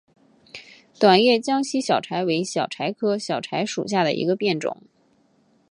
短叶江西小檗为小檗科小檗属下的一个变种。